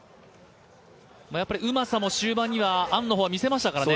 うまさも終盤にはアンの方は見せましたからね。